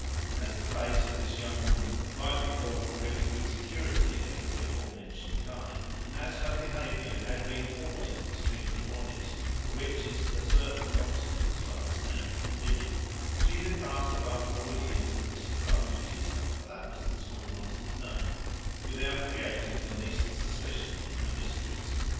As the face of this young woman might be called pretty good security of the before mentioned kind, and as her behaviour had been always extremely modest, which is the certain consequence of understanding in women; she had passed above four years at Mr Partridge's (for that was the schoolmaster's name) without creating the least suspicion in her mistress.